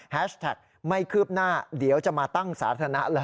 แท็กไม่คืบหน้าเดี๋ยวจะมาตั้งสาธารณะ